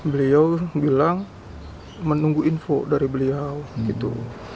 beliau bilang menunggu info dari beliau gitu